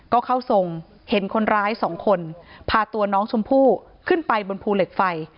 ก็เข้าทรงเห็นคนร้ายสองคนพาตัวน้องชมพู่ขึ้นไปบนภูเหล็กไฟ